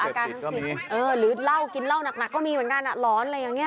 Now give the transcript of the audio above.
อาการเสพติดก็มีหรือเหล้ากินเล่านักก็มีเหมือนกันอ่ะร้อนอะไรอย่างนี้